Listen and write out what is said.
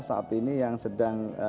saat ini yang sedang